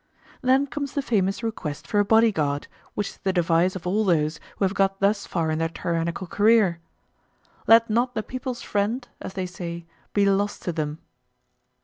Then comes the famous request for a body guard, which is the device of all those who have got thus far in their tyrannical career—'Let not the people's friend,' as they say, 'be lost to them.